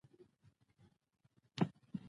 ده ورته ویلي وو.